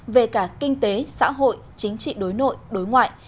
về cả kinh tế xã hội chính trị đối nội đối ngoại